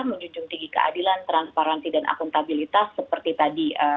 menjunjung tinggi keadilan transparansi dan akuntabilitas seperti tadi